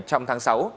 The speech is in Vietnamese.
trong tháng sáu